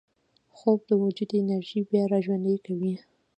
خوب د وجود انرژي بیا راژوندي کوي